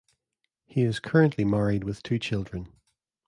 He is currently married with two children.